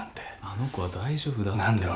あの子は大丈夫だって。